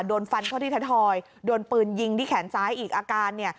โดนฟันเข้าที่ไทยทอยโดนปืนยิงที่แขนซ้ายอีกอาการเนี่ย